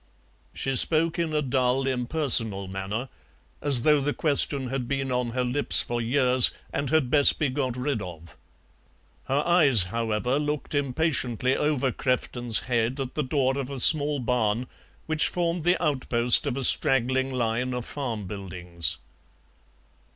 She spoke in a dull impersonal manner, as though the question had been on her lips for years and had best be got rid of. Her eyes, however, looked impatiently over Crefton's head at the door of a small barn which formed the outpost of a straggling line of farm buildings.